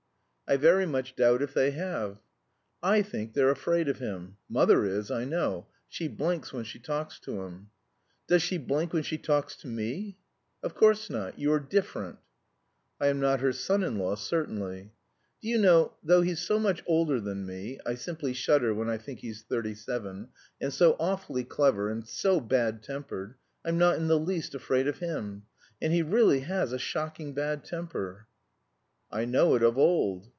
"I very much doubt if they have." "I think they're afraid of him. Mother is, I know; she blinks when she talks to him." "Does she blink when she talks to me?" "Of course not you're different." "I am not her son in law, certainly." "Do you know, though he's so much older than me I simply shudder when I think he's thirty seven and so awfully clever, and so bad tempered, I'm not in the least afraid of him. And he really has a shocking bad temper." "I know it of old."